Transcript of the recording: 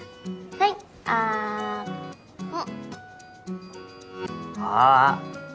はいあん。